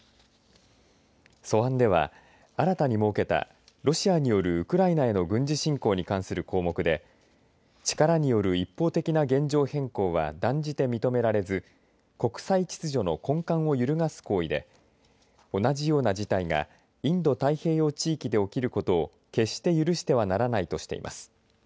素案では新たに設けたロシアによるウクライナへの軍事侵攻に関する項目で力による一方的な現状変更は断じて認められず国際秩序の根幹を揺るがす行為で同じような事態がインド太平洋地域で起きることを決して許してはならないとしています。